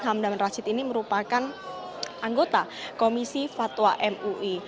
hamdan rashid ini merupakan anggota komisi fatwa mui